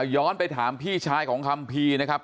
ย้อนไปถามพี่ชายของคัมภีร์นะครับ